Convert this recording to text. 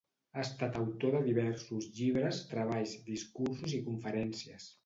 Ha estat autor de diversos llibres, treballs, discursos i conferències.